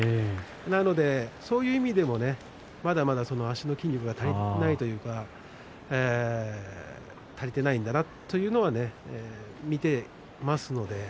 なのでその意味でもまだまだ足の筋肉が足りていないんだなというのは見ています。